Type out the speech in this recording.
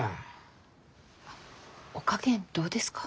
お加減どうですか？